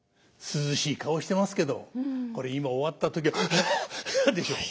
涼しい顔してますけどこれ今終わった時は「はあはあ」でしょ。